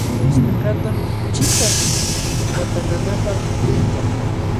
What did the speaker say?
Waskakaqtam kuchita watananapaq pilluyka.